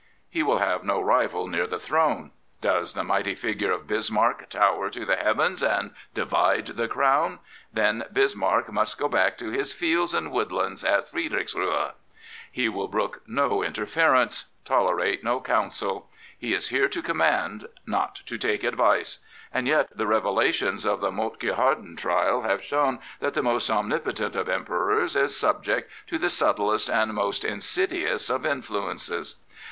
He will have no rival near the throne. Does the mighty figure of Bismarck tower to the heavens and divide the crown? Then Bismarck must go back to his fields and woodlands at Friedrichsruhe. He will li brook no interference, tolerate no counsel. He is here to command, not to take advice. And yet the revelations of the Moltke Harden trial have shown that the most omnipotent of Emperors is subject to the subtlest and most insidious of influences.